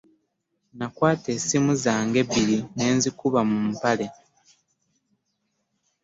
Nakwata essimu zange ebbiri ne nzikuba mu mpale.